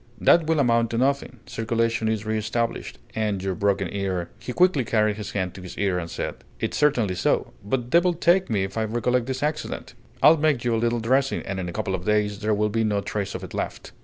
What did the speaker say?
"That will amount to nothing: circulation is re established, and and your broken ear " He quickly carried his hand to his ear, and said: "It's certainly so. But devil take me if I recollect this accident!" "I'll make you a little dressing, and in a couple of days there will be no trace of it left."